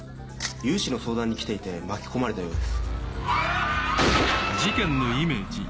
融資の相談に来ていて巻き込まれたようです。